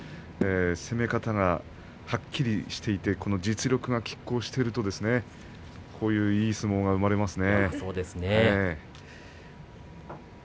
攻め方がはっきりとしていて実力が、きっ抗しているとこういういい相撲が生まれますね。